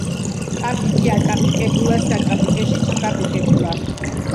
კაპიკი აკაპიკებულა საკაპიკეში ჩაკაპიკრბულა